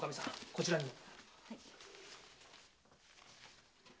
こちらにも。